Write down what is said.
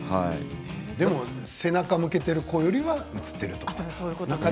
でも背中を向けている子よりは映っている。